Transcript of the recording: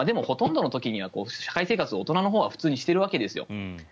ほとんどの時には社会生活を大人のほうは普通にしているわけですよ。